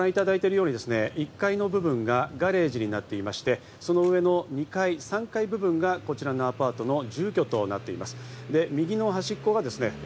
今ご覧いただいているように１階の部分がガレージになっていまして、その上の２階・３階部分がこちらのアパートの住居となっています。